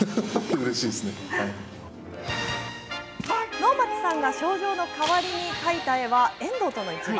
能町さんが賞状の代わりに描いた絵は遠藤との一番。